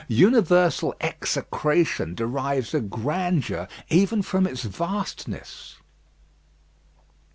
Universal execration derives a grandeur even from its vastness.